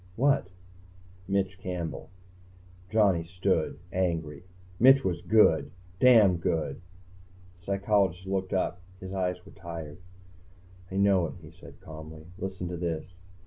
"What?" "Mitch Campbell." Johnny stood, angry. "Mitch was good. Damn good." The psychologist looked up, and his eyes were tired. "I know it," he said calmly. "Listen to this."